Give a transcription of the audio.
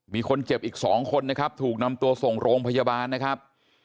มีคนเจ็บอีก๒คนนะครับถูกนำตัวส่งโรงพยาบาลนะครับ